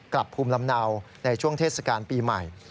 กลับภูมิลำเนาในช่วงเทศกาลปีใหม่